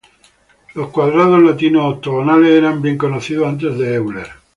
Los cuadrados latinos ortogonales eran bien conocidos antes de Euler.